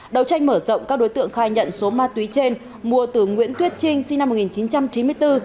đầu tranh mở rộng các đối tượng khai nhận số ma túy trên mua từ nguyễn tuyết trinh sinh năm một nghìn chín trăm chín mươi bốn